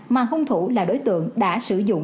mà hung thủ là đối tượng đã sử dụng